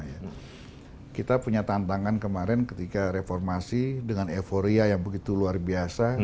kita punya tantangan kemarin ketika reformasi dengan euforia yang begitu luar biasa